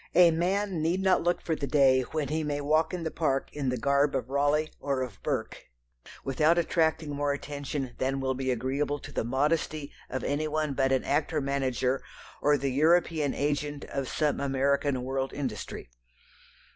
A man need not look for the day when he may walk in the parks in the garb of Raleigh or of Burke without attracting more attention than will be agreeable to the modesty of any one but an actor manager or the European agent of some American world industry.